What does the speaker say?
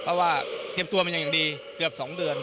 เพราะว่าเทียบตัวมันอย่างดีเกือบสองเดือน